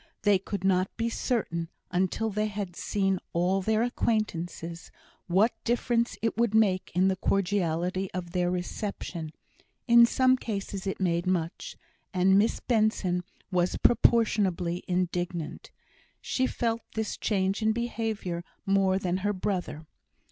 They could not be certain, until they had seen all their acquaintances, what difference it would make in the cordiality of their reception: in some cases it made much; and Miss Benson was proportionably indignant. She felt this change in behaviour more than her brother.